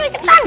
oh ini tangkap